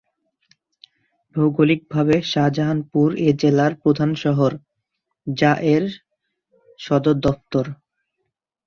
ভৌগোলিকভাবে শাহজাহানপুর এ জেলার প্রধান শহর, যা এর সদর দফতর।